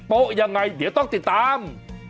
ปวะอย่างไรเดี๋ยวต้องติดตาม